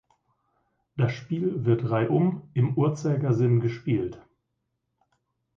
Das Spiel wird reihum im Uhrzeigersinn gespielt.